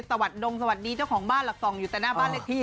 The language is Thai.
สวัสดีดงสวัสดีเจ้าของบ้านหลักส่องอยู่แต่หน้าบ้านเลขที่